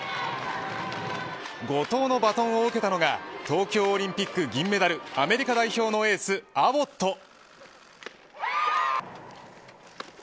後藤のバトンを受けたのが東京オリンピック銀メダルアメリカ代表のエースアボット。